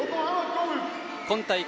今大会